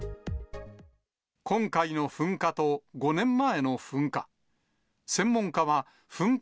今回の噴火と５年前の噴火。